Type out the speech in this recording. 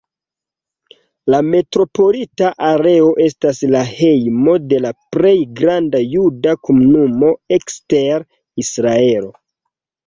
La metropolita areo estas la hejmo de la plej granda juda komunumo ekster Israelo.